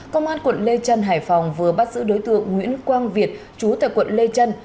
công an quận lê trân hải phòng vừa bắt giữ đối tượng nguyễn quang việt chú tại quận lê trân